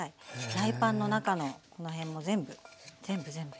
フライパンの中のこの辺も全部全部全部。